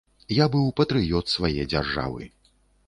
Я быў патрыёт свае дзяржавы.